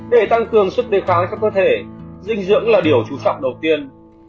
để tăng cường sức đề kháng cho cơ thể dinh dưỡng là điều trú trọng đầu tiên